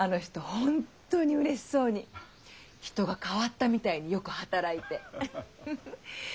本当にうれしそうに人が変わったみたいによく働いて。